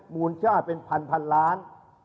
มูลค่าเป็นพันล้าน